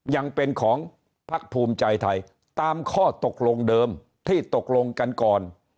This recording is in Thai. ยังเป็นของพักภูมิใจไทยตามข้อตกลงเดิมที่ตกลงกันก่อน